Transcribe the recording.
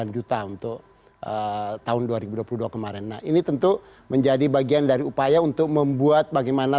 sembilan juta untuk tahun dua ribu dua puluh dua kemarin nah ini tentu menjadi bagian dari upaya untuk membuat bagaimana